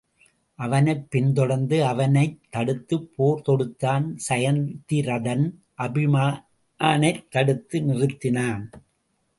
அவனைப் பின்தொடர்ந்து அவனைத் தடுத்துப் போர் தொடுத்தான் சயத்திரதன் அபிமனைத் தடுத்து நிறத்தினான்.